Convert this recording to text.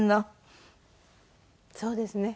そうですね。